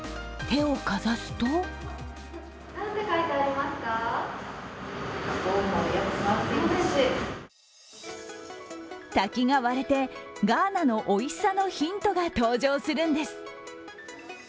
手をかざすと滝が割れて、ガーナのおいしさのヒントが登場するんです。